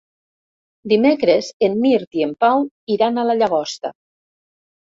Dimecres en Mirt i en Pau iran a la Llagosta.